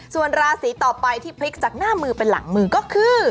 ส่วนราศีต่อไปที่พลิกจากหน้ามือเป็นหลังมือก็คือ